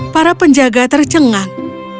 para penjaga tercengang